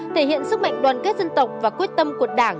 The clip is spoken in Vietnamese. thể hiện sức mạnh đoàn kết dân tộc và quyết tâm của đảng